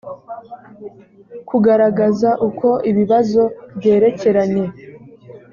kugaragaza uko ibibazo byerekeranye